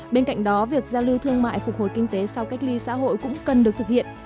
bên cạnh đó việc giao lưu thương mại phục hồi kinh tế sau cách ly xã hội cũng cần được thực hiện